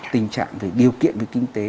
tình trạng về điều kiện về kinh tế